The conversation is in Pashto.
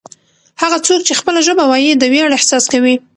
هغه څوک چې خپله ژبه وايي د ویاړ احساس کوي.